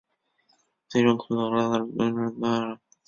最终昆士兰州政府撤回了修建水坝的计划。